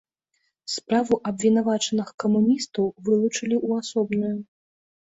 Справу абвінавачаных-камуністаў вылучылі ў асобную.